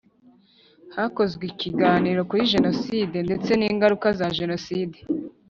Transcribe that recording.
Hakozwe ikiganiro kuri Jenoside ndetse n’ingaruka za Jenoside